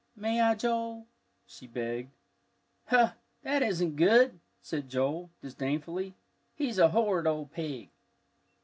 "May I, Joel?" she begged. "Hoh, that isn't good!" said Joel, disdainfully. "He's a horrid old pig."